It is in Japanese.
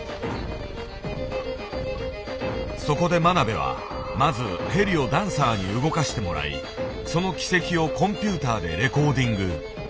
そこで真鍋はまずヘリをダンサーに動かしてもらいその軌跡をコンピューターでレコーディング。